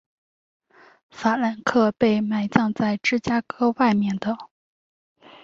法兰克被埋葬在芝加哥外面的。